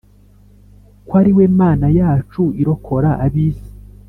kw ari we mana yacu irokor' ab'isi.